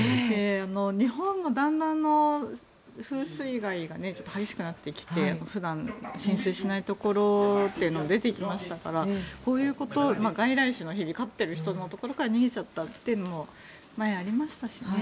日本も風水害がちょっと激しくなってきて普段、浸水しないところも出てきましたからこういうこと、外来種の蛇を飼っている人のところから逃げちゃったというのも前にありましたしね。